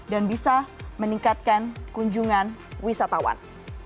dan bisa meningkatkan kunjungan wisatawan